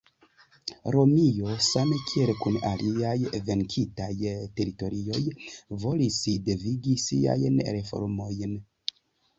Romio, same kiel kun aliaj venkitaj teritorioj, volis devigi siajn reformojn.